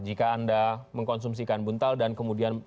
jika anda mengkonsumsikan buntal dan kemudian